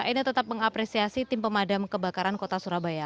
ena tetap mengapresiasi tim pemadam kebakaran kota surabaya